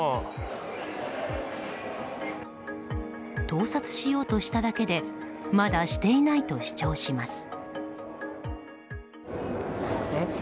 盗撮しようとしただけでまだしていないと主張します。